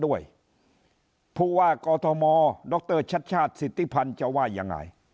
ด้วยผู้ว่ากอทมดรชัดชาติสิทธิพันธ์จะว่ายังไง